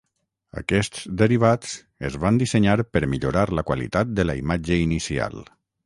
Aquests derivats es van dissenyar per millorar la qualitat de la imatge inicial.